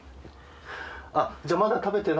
じゃあまだ食べてないの？